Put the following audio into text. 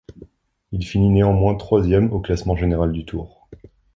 Il finit néanmoins troisième au classement général du Tour.